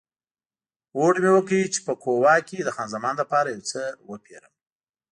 هوډ مې وکړ چې په کووا کې د خان زمان لپاره یو څه وپیرم.